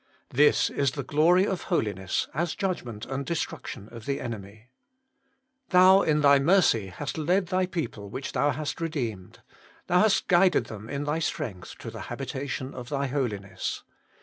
This is the glory of Holiness as judgment and destruction of the enemy. 'Thou in Thy mercy hast led Thy people which thou hast redeemed. Thou hast guided them in Thy strength to the habitation of Thy Holiness.'